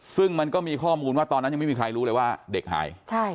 ซึ่งมันก็มีข้อมูลว่าตอนนั้นยังไม่มีใครรู้เลยว่าเด็กหาย